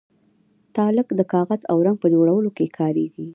تالک د کاغذ او رنګ په جوړولو کې کاریږي.